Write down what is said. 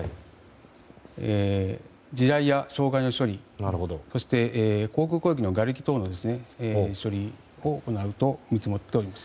地雷や障害の処理そして航空攻撃のがれき等の処理を行うと見積もっております。